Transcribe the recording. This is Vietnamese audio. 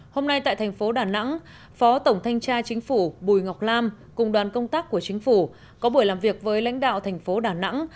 hôm nay tại thành phố đà nẵng phó tổng thanh tra chính phủ bùi ngọc lam cùng đoàn công tác của chính phủ có buổi làm việc với lãnh đạo thành phố đà nẵng